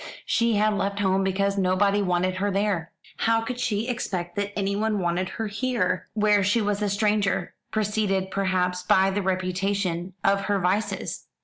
She had left home because nobody wanted her there. How could she expect that anyone wanted her here, where she was a stranger, preceded, perhaps, by the reputation of her vices?